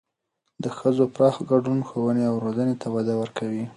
د ښځو پراخ ګډون ښوونې او روزنې ته وده ورکوي.